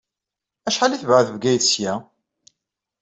Acḥal ay tebɛed Bgayet seg-a?